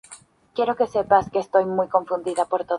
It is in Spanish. Desde Savage Garden, Jones se ha transformado en un productor musical.